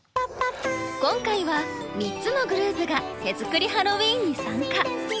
今回は３つのグループが手作りハロウィーンに参加。